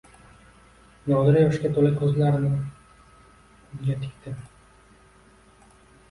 Nodira yoshga to`la ko`zlarini unga tikdi